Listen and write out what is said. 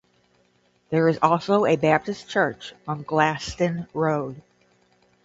There is also a Baptist church on Glaston Road.